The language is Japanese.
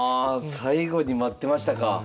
最後に待ってましたか。